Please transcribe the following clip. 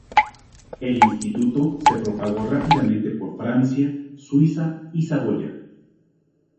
El instituto se propagó rápidamente por Francia, Suiza y Saboya.